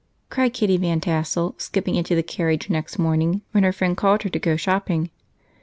cried Kitty Van Tassel, skipping into the carriage next morning when her friend called for her to go shopping.